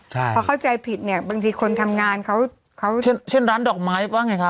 ใช่เพราะเข้าใจผิดเนี่ยบางทีคนทำงานเขาเขาเช่นเช่นร้านดอกไม้ว่าไงคะ